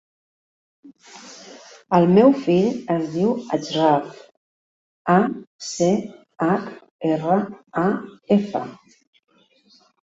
El meu fill es diu Achraf: a, ce, hac, erra, a, efa.